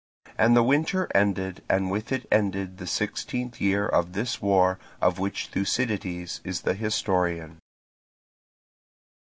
And the winter ended, and with it ended the sixteenth year of this war of which Thucydides is the historian.